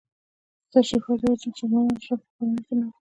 دا تشریفات یوازې د مسلمانو اشرافو په کورنیو کې نه وو.